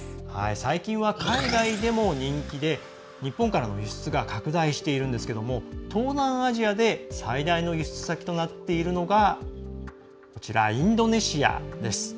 最近は海外でも人気で日本からの輸出が拡大しているんですけども東南アジアで最大の輸出先となっているのがインドネシアです。